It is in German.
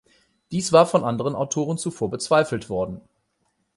Dies war von anderen Autoren zuvor bezweifelt worden.